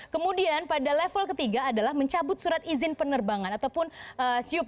kemudian pada level ketiga adalah mencabut surat izin penerbangan ataupun siup